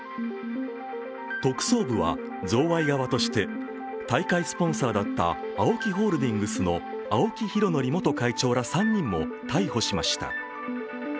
特捜部は、贈賄側として大会スポンサーだったＡＯＫＩホールディングスの青木拡憲元会長ら３人も逮捕しました。